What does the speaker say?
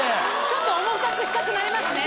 ちょっと重たくしたくなりますね。